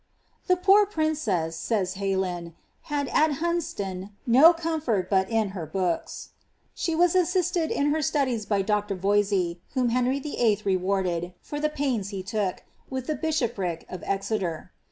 ' The poor princess," says Ileylin, " had at Hunsdon no comfort but in her huoks;" she was assisted in her studies by Dr. Voisie, whom Henry VJII, rewarded, for the pains he look, with the bishopric of Eicter.